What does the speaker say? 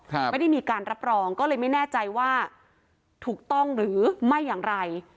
ไม่ได้มีการรับรองก็เลยไม่แน่ใจว่าถูกต้องหรือไม่อย่างไร